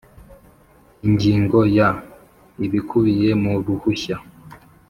Ingingo ya ibikubiye mu ruhushya